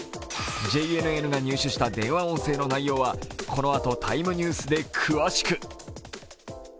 ＪＮＮが入手した電話音声の内容はこのあと「ＴＩＭＥ，」ニュースで詳しく。